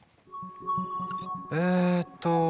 えっと